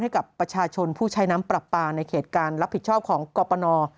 ให้กับประชาชนผู้ใช้น้ำปรับปลาในเขตการรับผิดชอบของกรปน